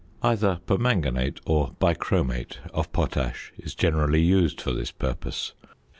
Either permanganate or bichromate of potash is generally used for this purpose.